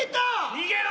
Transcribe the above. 逃げろ！